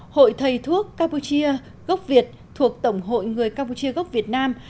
hội thầy thuốc campuchia gốc việt thuộc tổng hội người campuchia gốc việt nam